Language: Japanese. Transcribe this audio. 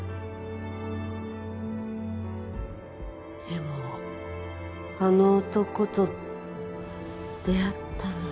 でもあの男と出会ったの。